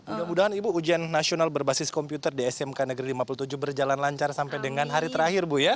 mudah mudahan ibu ujian nasional berbasis komputer di smk negeri lima puluh tujuh berjalan lancar sampai dengan hari terakhir bu ya